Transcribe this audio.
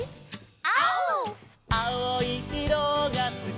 「あお」「あおいいろがすき」